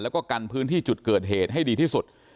แล้วก็กันพื้นที่จุดเกิดเหตุให้ดีที่สุด